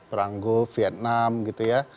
perang go vietnam gitu ya